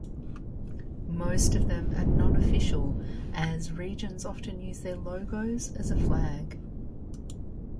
Most of them are non-official as regions often use their logos as a flag.